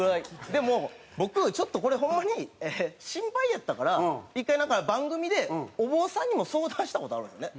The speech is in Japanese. でも僕ちょっとこれホンマに心配やったから１回なんか番組でお坊さんにも相談した事あるんですね。